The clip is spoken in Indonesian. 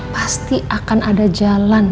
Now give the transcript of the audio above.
pasti akan ada jalan